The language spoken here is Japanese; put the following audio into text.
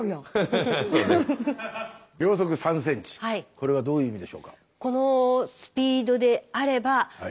これはどういう意味でしょうか？